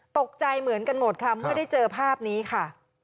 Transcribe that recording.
ตกใจเหมือนกันหมดค่ะเมื่อได้เจอภาพนี้ค่ะ